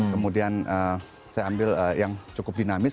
kemudian saya ambil yang cukup dinamis